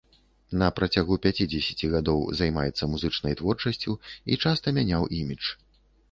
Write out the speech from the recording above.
На працягу пяцідзесяці гадоў займаецца музычнай творчасцю і часта мяняў імідж.